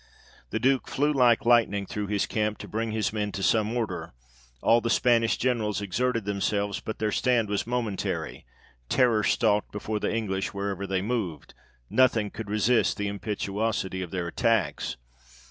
The Duke flew like lightening through his camp, to bring his men to some order ; all the Spanish Generals exerted themselves, but their stand was momentary ; terror stalked before the English wherever they moved nothing could resist the impetuosity of their attacks.